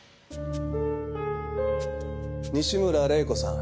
西村玲子さん。